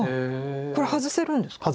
これ外せるんですか？